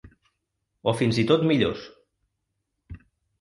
O fins i tot millors.